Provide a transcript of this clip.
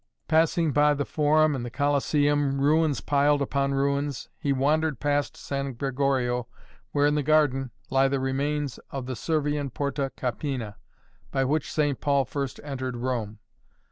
Passing by the Forum and the Colosseum, ruins piled upon ruins, he wandered past San Gregorio, where, in the garden, lie the remains of the Servian Porta Capena, by which St. Paul first entered Rome.